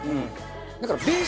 だからベース